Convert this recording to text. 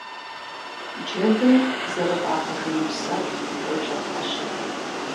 Джэдым зэрыфӀагъэжыну сэр къеулъэпхъэщ.